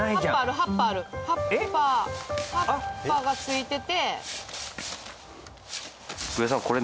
葉っぱがついてて。